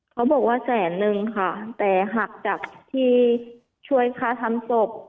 เขาบอกว่าแสนนึงค่ะแต่หักจากที่ช่วยค่าทำศพ